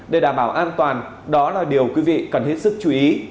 để đảm bảo an toàn đó là điều quý vị cần hết sức chú ý